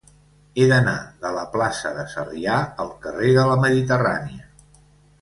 He d'anar de la plaça de Sarrià al carrer de la Mediterrània.